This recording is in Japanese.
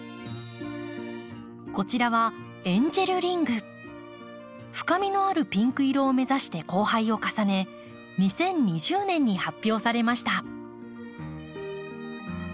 こちらは深みのあるピンク色を目指して交配を重ね２０２０年に発表されました。